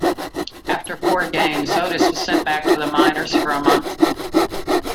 After four games, Otis was sent back to the minors for a month.